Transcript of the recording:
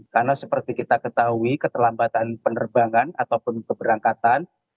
karena seperti kita ketahui keterlambatan penerbangan ataupun keberangkatan